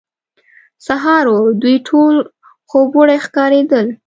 سهار وو، دوی ټول خوبوړي ښکارېدل.